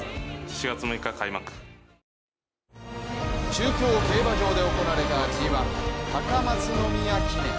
中京競馬場で行われたＧⅠ・高松宮記念。